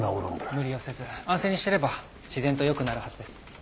無理をせず安静にしてれば自然と良くなるはずです。